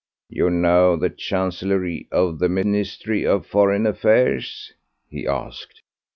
"You know the Chancellerie of the Ministry of Foreign Affairs?" he asked.